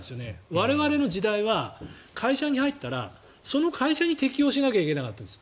我々の時代は会社に入ったらその会社に適応しなきゃいけなかったんです。